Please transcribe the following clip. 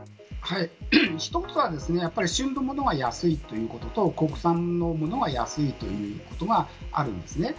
一つは旬のものは安いということと国産のものは安いということがあります。